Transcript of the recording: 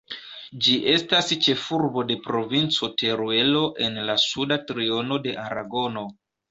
Ĝi estas ĉefurbo de Provinco Teruelo en la suda triono de Aragono.